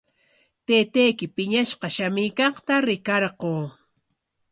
Taytayki piñashqa shamuykaqta rikarquu.